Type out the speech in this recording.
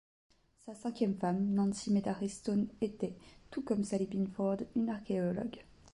Sa cinquième femme, Nancy Medaris Stone était, tout comme Sally Binford, une archéologue.